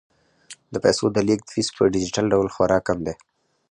د پيسو د لیږد فیس په ډیجیټل ډول خورا کم دی.